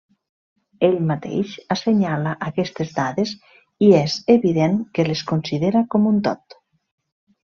Ell mateix assenyala aquestes dades i és evident que les considera com un tot.